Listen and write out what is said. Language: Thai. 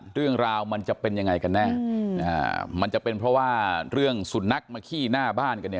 เรื่องราวมันจะเป็นยังไงกันแน่มันจะเป็นเพราะว่าเรื่องสุนัขมาขี้หน้าบ้านกันเนี่ย